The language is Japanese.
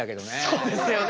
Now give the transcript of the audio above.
そうですよね。